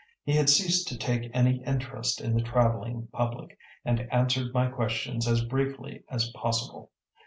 He had ceased to take any interest in the traveling public, and answered my questions as briefly as possible.